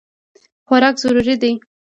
خوراک ضروري دی.